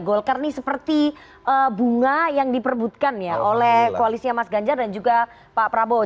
golkar ini seperti bunga yang diperbutkan ya oleh koalisnya mas ganjar dan juga pak prabowo